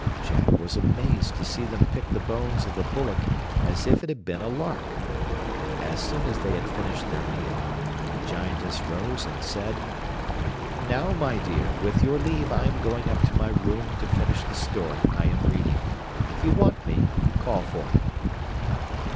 Jack was amazed to see them pick the bones of the bullock as if it had been a lark. As soon as they had finished their meal, the Giantess rose and said: 'Now, my dear, with your leave I am going up to my room to finish the story I am reading. If you want me call for me.